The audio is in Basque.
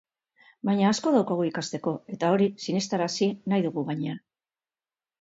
Baina asko daukagu ikasteko eta hori sinestarazi nahi dugu gainera.